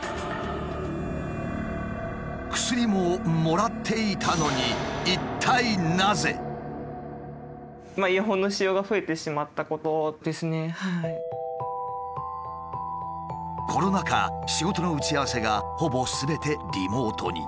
薬ももらっていたのにコロナ禍仕事の打ち合わせがほぼすべてリモートに。